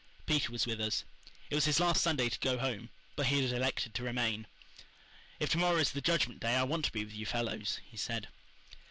Peter was with us. It was his last Sunday to go home, but he had elected to remain. "If to morrow is the Judgment Day I want to be with you fellows," he said.